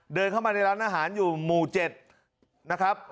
เดินเข้ามาในร้านอาหารอยู่หมู่๗นะครับ